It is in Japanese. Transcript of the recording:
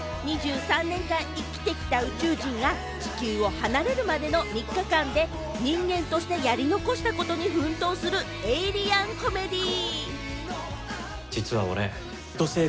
映画はある一家の二男になりすまし、２３年間生きてきた宇宙人が地球を離れるまでの３日間で、人間としてやり残したことに奮闘するエイリアンコメディー。